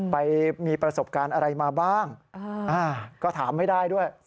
ไปมีประสบการณ์อะไรมาบ้างก็ถามไม่ได้ด้วย